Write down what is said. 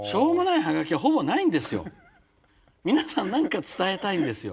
皆さん何か伝えたいんですよ。